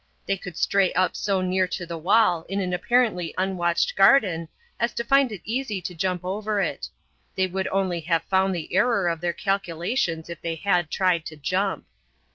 They could stray up so near to the wall in an apparently unwatched garden as to find it easy to jump over it. They would only have found the error of their calculations if they had tried to jump.